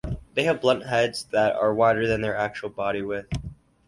They have blunt heads that are wider than their actual body width.